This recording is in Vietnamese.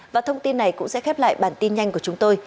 và thông tin này cũng sẽ khép lại bản tin nhanh của chúng tôi